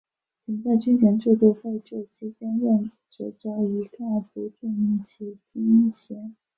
仅在军衔制废止期间任职者一概不注明其军衔。